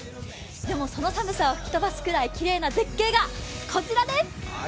でもその寒さを吹き飛ばすくらいきれいな絶景がこちらです。